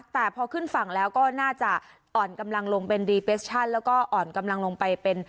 แต่พอขึ้นฝั่งแล้วก็น่าจะอ่อนกำลังลงเป็นดีเปชั่นแล้วก็อ่อนกำลังลงไปเป็น